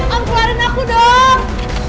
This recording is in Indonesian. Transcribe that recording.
ang keluarin aku dong